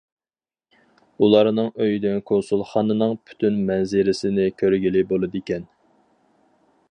ئۇلارنىڭ ئۆيىدىن كونسۇلخانىنىڭ پۈتۈن مەنزىرىسىنى كۆرگىلى بولىدىكەن.